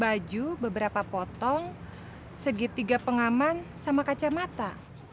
baju beberapa potong segitiga pengaman sama kacamata